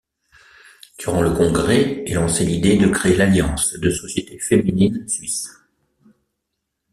Durant le congrès est lancé l'idée de créer l'Alliance de sociétés féminines suisses.